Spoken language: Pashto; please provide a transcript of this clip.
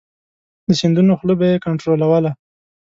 د سیندونو خوله به یې کنترولوله.